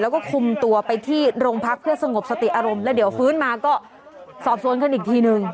แล้วก็คุมตัวไปที่โรงพักเพื่อสงบสติอารมณ์แล้วเดี๋ยวฟื้นมาก็สอบสวนกันอีกทีนึง